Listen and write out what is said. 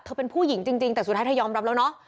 เป็นผู้หญิงจริงแต่สุดท้ายเธอยอมรับแล้วเนาะ